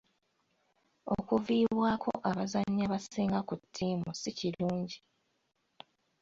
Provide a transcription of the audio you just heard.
Okuviibwako abazannyi abasinga ku ttiimu si kirungi.